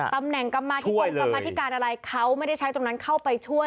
ตำแหน่งกรรมาธิกรมกรรมธิการอะไรเขาไม่ได้ใช้ตรงนั้นเข้าไปช่วย